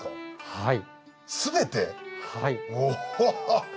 はい。